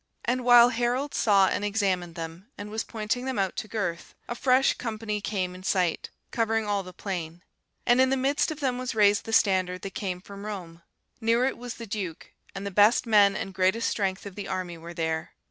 And while Harold saw and examined them, and was pointing them out to Gurth, a fresh company came in sight, covering all the plain; and in the midst of them was raised the standard that came from Rome. Near it was the Duke, and the best men and greatest strength of the army were there.